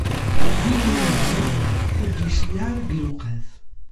Win ur nhenna, ur d-yecliɛ ara deg lewqat.